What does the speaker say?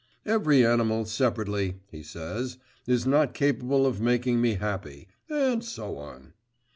Every animal separately,' he says, 'is not capable of making me happy!' and so on.